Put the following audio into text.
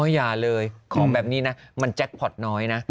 อ๋ออย่าเลยของแบบนี้นะมันแจ๊กพอดน้อยนะ